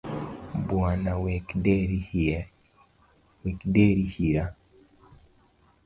Bwana wek deri hira.